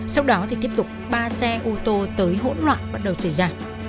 sau đó thì tiếp tục ba xe ô tô tới hỗn loạn bắt đầu xảy ra